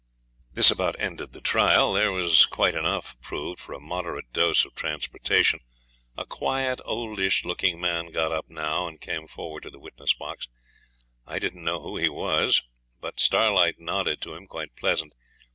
..... This about ended the trial. There was quite enough proved for a moderate dose of transportation. A quiet, oldish looking man got up now and came forward to the witness box. I didn't know who he was; but Starlight nodded to him quite pleasant.